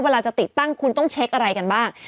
เวลาจะติดตั้งคุณต้องเช็คอะไรกันบ้าง